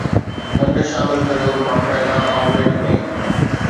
کنڊ شامل ڪريو باقاعده آمليٽ ۾